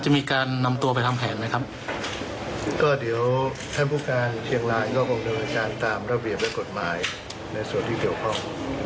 ส่วนการควบคุมตัวและก่อการเงินค่ะดีนี่อาจจะเป็นในส่วนของตรวจหรือว่าทหารในการตอบอินไลน์